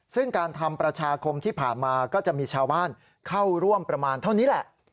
ซึ่งการทำประชาคมที่ผ่านมาก็จะมีชาวบ้านเข้าร่วมประมาณเท่านี้แหละ